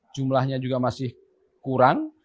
jumlahnya juga masih kurang